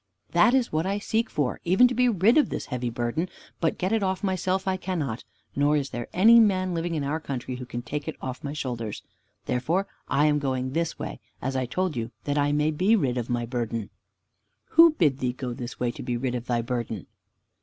"That is what I seek for, even to be rid of this heavy burden, but get it off myself I cannot, nor is there any man living in our country who can take it off my shoulders. Therefore I am going this way, as I told you, that I may be rid of my burden." "Who bid thee go this way to be rid of thy burden?"